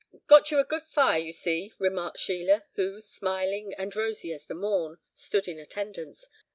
"Got you a good fire, you see," remarked Sheila, who, smiling and rosy as the morn, stood in attendance.